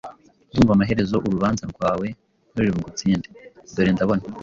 Ndumva amaherezo urubanza rwawe ruri bugutsinde. Dore ndabona